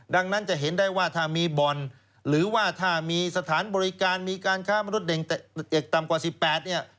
ดังนั้นจะเห็นได้ว่าถ้ามีบ่อนหรือว่าถ้ามีสถานบริการมีการค้ามนุษย์เด็กต่ำกว่า๑๘เนี่ย